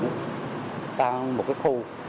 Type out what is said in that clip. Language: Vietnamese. sẽ chuyển sang một khu